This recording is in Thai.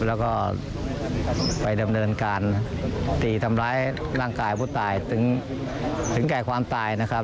แล้วก็ไปดำเนินการตีทำร้ายร่างกายผู้ตายถึงแก่ความตายนะครับ